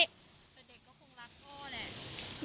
แต่เด็กก็คงรักพ่อแหละ